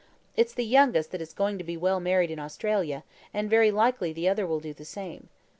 It's the youngest that is going to be well married in Australia, and very likely the other will do the same."